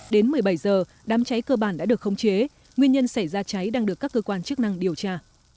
đến một mươi bảy h đám cháy cơ bản đã được khống chế nguyên nhân xảy ra cháy đang được các cơ quan chức năng điều tra